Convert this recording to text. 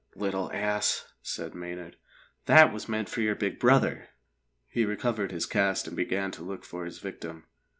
"Little ass!" said Maynard. "That was meant for your big brother." He recovered his cast and began to look for his victim.